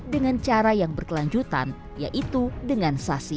dengan cara yang berkelanjutan yaitu dengan sasi